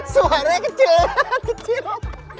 suara dia kayak gila